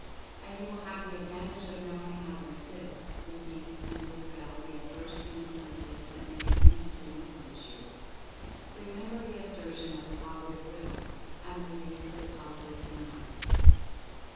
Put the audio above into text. And you will have the advantage of knowing how to resist, defeat and dispel the adverse influences that may be used to influence you. Remember the assertion of the Positive Will, and the use of the Positive Denial!